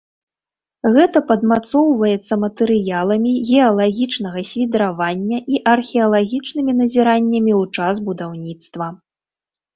Гэта падмацоўваецца матэрыяламі геалагічнага свідравання і археалагічнымі назіраннямі ў час будаўніцтва.